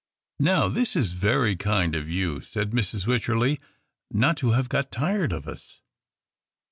" Now this is very kind of you," said Mrs. Wycherley, " not to have got tired of us."